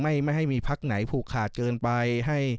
ไม่ให้มีพักไหนผูกขาดเกินไป